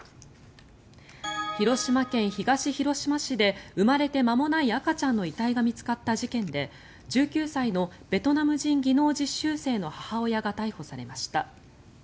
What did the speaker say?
広島県東広島市で生まれて間もない赤ちゃんの遺体が見つかった事件で１９歳のベトナム人技能実習生の母親が逮捕されました。